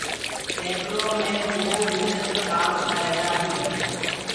ٽيبلو مي دو منک ڪآم ڪرريهرآ هين